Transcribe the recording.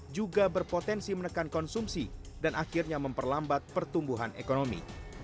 juga berpotensi menekan konsumsi dan akhirnya memperlambat pertumbuhan ekonomi